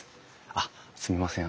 あっすみません